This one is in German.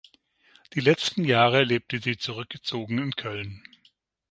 Die letzten Jahre lebte sie zurückgezogen in Köln.